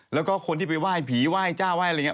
แล้วก็คนที่ไปไหว้ผีไหว้เจ้าไหว้อะไรอย่างนี้